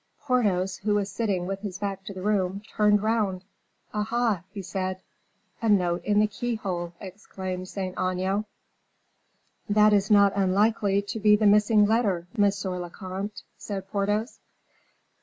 Porthos, who was sitting with his back to the room, turned round. "Aha!" he said. "A note in the keyhole!" exclaimed Saint Aignan. "That is not unlikely to be the missing letter, monsieur le comte," said Porthos.